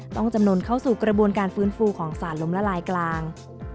จำนวนเข้าสู่กระบวนการฟื้นฟูของสารล้มละลายกลาง